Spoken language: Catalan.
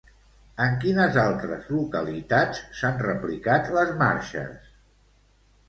En quines altres localitats s'han replicat les marxes?